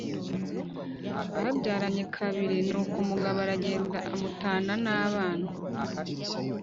Babyaranye kabiri nuko umugabo aragenda amutana nabana